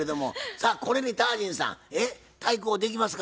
さあこれにタージンさん対抗できますか？